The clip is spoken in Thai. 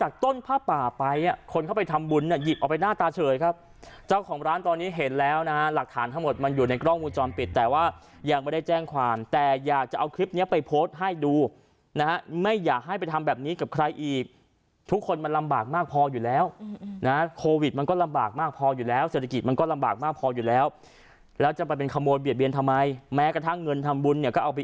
ครับเจ้าของร้านตอนนี้เห็นแล้วนะฮะหลักฐานทำหมดมันอยู่ในกล้องมูลจอมปิดแต่ว่าอยากมาได้แจ้งความแต่อยากจะเอาคลิปเนี้ยไปโพสต์ให้ดูนะฮะไม่อยากให้ไปทำแบบนี้กับใครอีกทุกคนมันลำบากมากพออยู่แล้วนะฮะโควิดมันก็ลำบากมากพออยู่แล้วเศรษฐกิจมันก็ลำบากมากพออยู่แล้วแล้วจะไปเป็นขโม